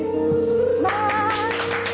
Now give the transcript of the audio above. まあ！